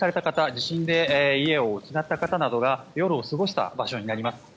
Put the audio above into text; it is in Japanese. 地震で家を失った方などが夜を過ごした場所になります。